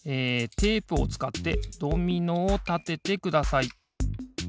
テープをつかってドミノをたててください。